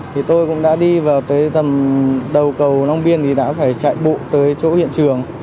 thì tôi cũng đã đi vào cái tầm đầu cầu long biên thì đã phải chạy bộ tới chỗ hiện trường